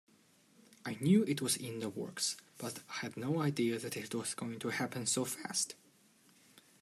I knew it was in the works, but had no idea that it was going to happen so fast.